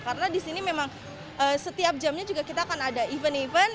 karena di sini memang setiap jamnya juga kita akan ada event event